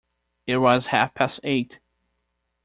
It was half-past eight.